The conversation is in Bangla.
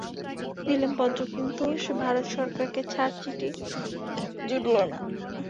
দিলেম পত্র, কিন্তু ভারত-সরকারের ছাড়চিঠি জুটল না।